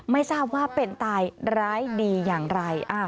ไม่ทราบว่าเป็นตายร้ายดีอย่างไร